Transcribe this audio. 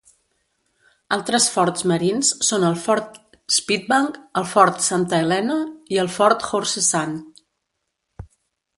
Altres forts marins són el Fort Spitbank, el Fort Santa Helena i el Fort Horse Sand.